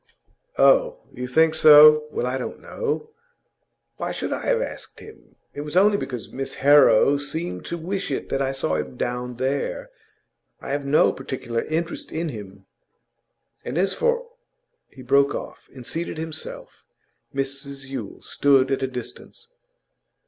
'Oh, you think so? Well, I don't know. Why should I have asked him? It was only because Miss Harrow seemed to wish it that I saw him down there. I have no particular interest in him. And as for ' He broke off and seated himself. Mrs Yule stood at a distance.